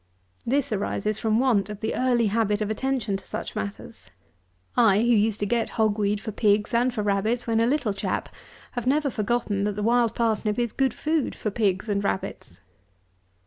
This arises from want of the early habit of attention to such matters. I, who used to get hog weed for pigs and for rabbits when a little chap, have never forgotten that the wild parsnip is good food for pigs and rabbits.